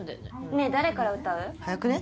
ねえ誰から歌う？早くね？